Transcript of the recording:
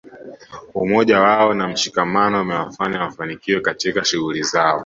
Umoja wao na mshikamano umewafanya wafanikiwe katika shughuli zao